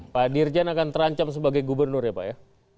pak dirjen akan terancam sebagai gubernur ya pak ya